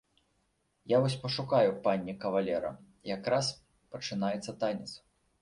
Я вось пашукаю панне кавалера, якраз пачынаецца танец.